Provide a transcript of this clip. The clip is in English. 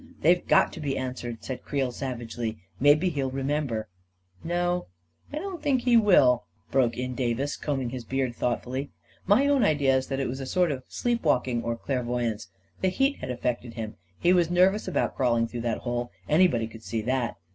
" They've got to be answered !" said Creel sav agely. " Maybe he'll remember •.." "No, I don't think he will," broken in Davis, combing his beard thoughtfully. " My own idea is that it was a sort of sleep walking or clairvoyance. The heat had affected him — he was nervous about crawling through that hole, anybody could see that."